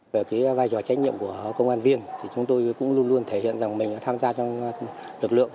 về cái vai trò trách nhiệm của công an viên thì chúng tôi cũng luôn luôn thể hiện rằng mình đã tham gia trong lực lượng